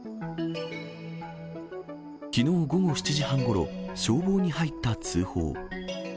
きのう午後７時半ごろ、消防に入った通報。